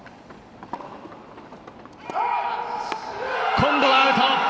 今度はアウト！